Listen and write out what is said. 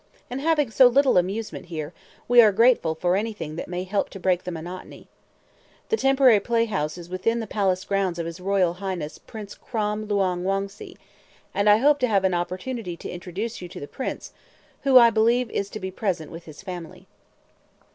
And having so little amusement here, we are grateful for anything that may help to break the monotony. The temporary playhouse is within the palace grounds of his Royal Highness Prince Krom Lhuang Wongse; and I hope to have an opportunity to introduce you to the Prince, who I believe is to be present with his family."